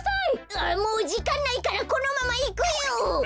あもうじかんないからこのままいくよ！